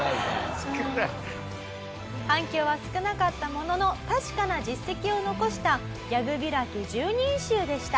「少ない」「反響は少なかったものの確かな実績を残したギャグびらき十人衆でした」